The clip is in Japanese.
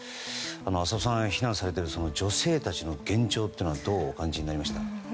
浅尾さん、避難されている女性たちの現状はどうお感じになりましたか。